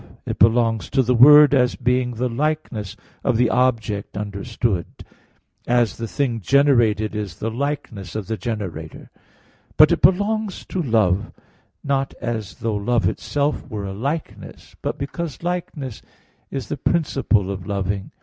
It belongs to the word as being the likeness of the object understood, as the thing generated is the likeness of the generator; but it belongs to love, not as though love itself were a likeness, but because likeness is the principle of loving.